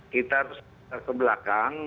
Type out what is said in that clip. kita harus ke belakang